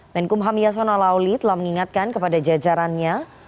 menkum ham yasona lauli telah mengingatkan kepada jajarannya